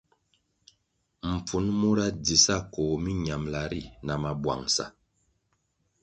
Mpfun mura dzi sa koh miñambʼla ri na mabwangʼsa.